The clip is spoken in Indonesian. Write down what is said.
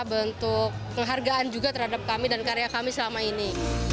bentuk penghargaan juga terhadap kami dan karya kami selama ini